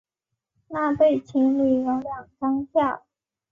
那对情侣有两张票